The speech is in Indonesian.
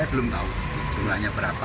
saya belum tahu jumlahnya berapa